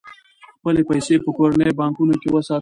خپلې پيسې په کورنیو بانکونو کې وساتئ.